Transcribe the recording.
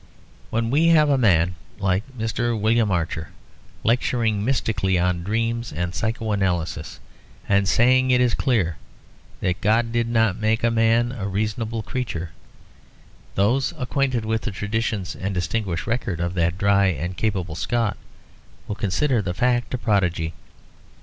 When we have a man like Mr. William Archer, lecturing mystically on dreams and psychoanalysis, and saying it is clear that God did not make man a reasonable creature, those acquainted with the traditions and distinguished record of that dry and capable Scot will consider the fact a prodigy.